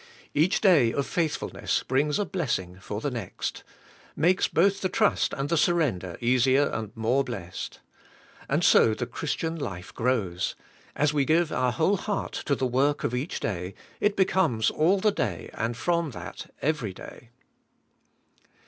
Each day of faithfulness brings a blessing for the next; makes both the trust and the surrender easier and more blessed. And so the Christian life grows: as we give our whole heart to the work of each day, it becomes all the day, and from that every day.